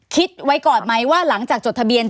คิดไว้ก่อนไหมว่าหลังจากจดทะเบียน